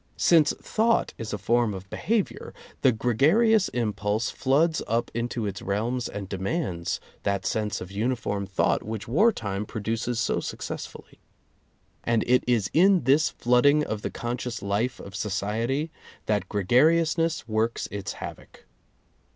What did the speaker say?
Since thought is a form of behavior, the gregarious im pulse floods up into its realms and demands that sense of uniform thought which wartime produces [H9] so successfully. And it is in this flooding of the conscious life of society that gregariousness works its havoc.